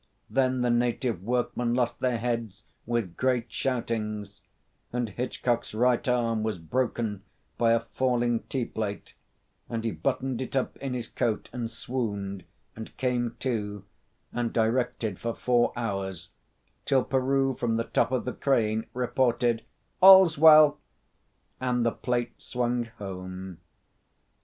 Then the native workmen lost their heads with great shoutings, and Hitchcock's right arm was broken by a falling T plate, and he buttoned it up in his coat and swooned, and came to and directed for four hours till Peroo, from the top of the crane, reported "All's well," and the plate swung home.